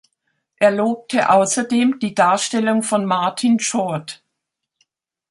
Er lobte außerdem die Darstellung von Martin Short.